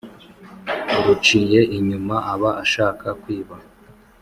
• uruciye inyuma aba ashaka kwiba